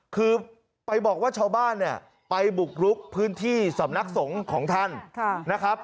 คือไปบอกว่าชาวบ้านเนี่ยไปบุกลุกพื้นที่สำนักสงฆ์ของท่านนะครับ